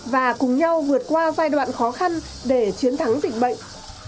và cùng nhau vượt qua giai đoạn khó khăn để chiến thắng dịch bệnh